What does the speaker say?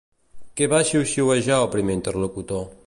Què va xiuxiuejar el primer interlocutor?